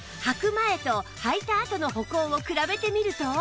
前とはいたあとの歩行を比べてみると